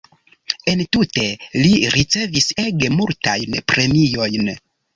Entute li ricevis ege multajn premiojn.